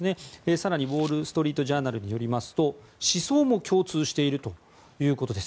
更にウォール・ストリート・ジャーナルによりますと思想も共通しているということです。